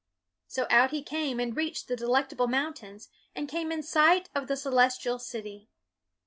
So out he came, and reached the Delectable Mountains, and came in sight of the Celes tial City.